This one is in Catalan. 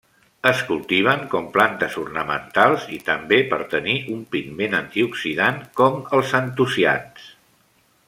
Es cultiven com plantes ornamentals i també per tenir un pigment antioxidant com els antocians.